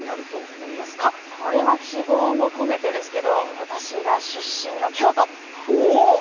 これは希望も込めてですけど私が出身の京都。